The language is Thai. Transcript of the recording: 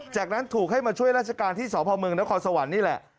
จากนั้นถูกให้มาช่วยราชการที่สพเมืองนครสวรรค์นี่แหละ